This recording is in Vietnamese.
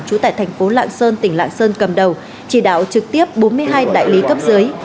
trú tại thành phố lạng sơn tỉnh lạng sơn cầm đầu chỉ đạo trực tiếp bốn mươi hai đại lý cấp dưới